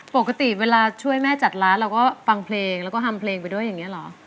ปกติเวลาช่วยแม่จัดร้านเราก็ฟังเพลงแล้วก็ฮำเพลงไปด้วยอย่างนี้เหรอ